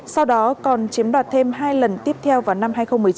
sau đó còn chiếm đoạt thêm hai lần tiếp theo vào năm hai nghìn một mươi chín